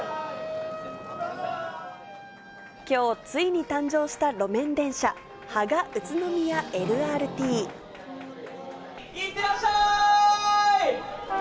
きょうついに誕生した路面電車、いってらっしゃーい！